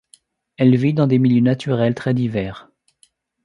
Elle vit dans des milieux naturels très divers.